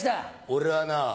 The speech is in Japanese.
俺はな